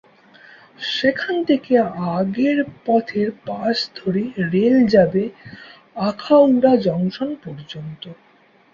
সেখান থেকে আগের পথের পাশ ধরে রেল যাবে আখাউড়া জংশন পর্যন্ত।